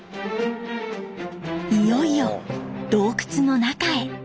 いよいよ洞窟の中へ。